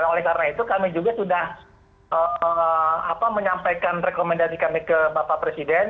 oleh karena itu kami juga sudah menyampaikan rekomendasi kami ke bapak presiden